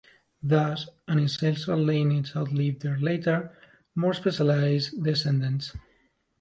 Thus, an ancestral lineage outlived their later, more specialized descendants.